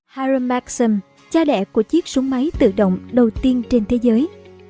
haram maxim cha đẻ của chiếc súng máy tự động đầu tiên trên thế giới